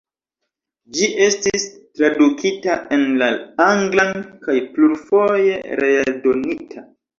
Ĝi estis tradukita en la anglan kaj plurfoje reeldonita.